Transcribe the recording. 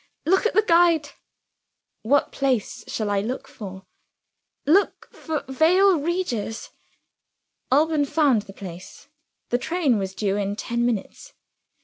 Look at the guide." "What place shall I look for?" "Look for Vale Regis." Alban found the place. The train was due in ten minutes.